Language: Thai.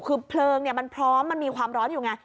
คือเพลิงมันพร้อมมันมีความร้อนอยู่ไง